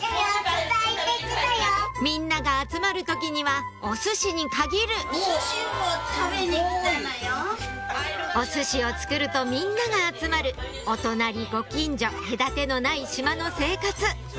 みんなが集まる時にはおすしに限るおすしを作るとみんなが集まるお隣ご近所隔てのない島の生活